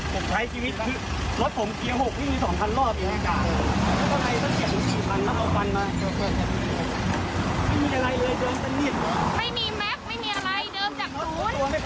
ดูรถมันใหม่อยู่